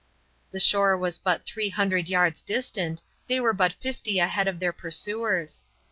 The shore was but three hundred yards distant; they were but fifty ahead of their pursuers.